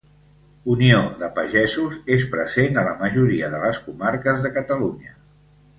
Unió de Pagesos, és present a la majoria de les comarques de Catalunya.